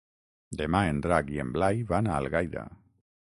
Demà en Drac i en Blai van a Algaida.